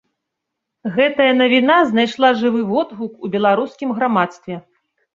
Гэтая навіна знайшла жывы водгук у беларускім грамадстве.